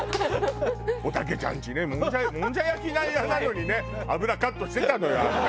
おたけちゃんちねもんじゃ焼き屋なのにね油カットしてたのよあんた。